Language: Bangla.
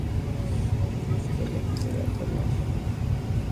অপু জিজ্ঞাসা করিল-পুজোর আর কদিন আছে, মা?